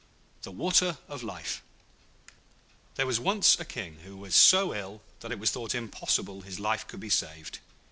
] The Water of Life There was once a King who was so ill that it was thought impossible his life could be saved.